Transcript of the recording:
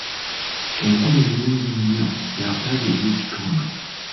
Enkuba ennyingi ennyo ya bulabe eri ekitundu.